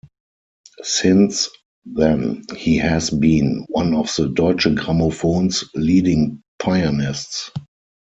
Since then he has been one of Deutsche Grammophon's leading pianists.